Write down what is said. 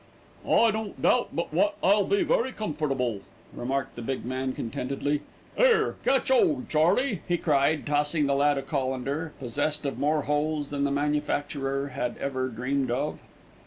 "I don't doubt but wot I'll be very comfortable," remarked the big man contentedly. "'Ere, catch 'old, Charley," he cried, tossing the lad a colander, possessed of more holes than the manufacturer had ever dreamed of.